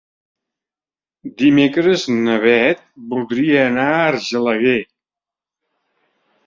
Dimecres na Bet voldria anar a Argelaguer.